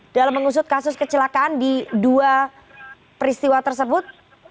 dalam mengusut kasus kecelakaan di dua peristiwa tersebut